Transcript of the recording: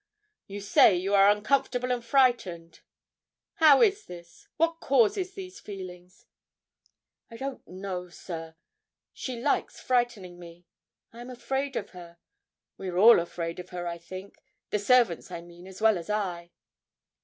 'You say you are uncomfortable and frightened. How is this what causes these feelings?' 'I don't know, sir; she likes frightening me; I am afraid of her we are all afraid of her, I think. The servants, I mean, as well as I.'